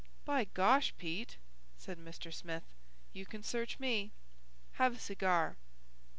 "By gosh, Pete," said Mr. Smith, "you can search me. Have a cigar."